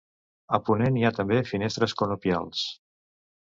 A ponent hi ha també finestres conopials.